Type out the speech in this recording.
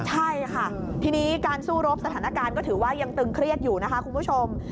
ใช่ค่ะทีนี้การสู้รบสถานการณ์ก็ถือว่ายังตึงเครียดอยู่นะคะคุณผู้ชม